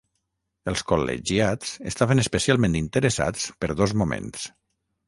Els col·legiats estaven especialment interessats per dos moments.